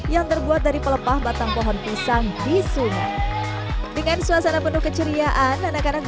yang terbuat dari pelepah batang pohon pisang di sungai dengan suasana penuh keceriaan anak anak